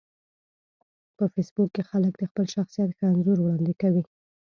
په فېسبوک کې خلک د خپل شخصیت ښه انځور وړاندې کوي